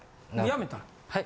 やめたの？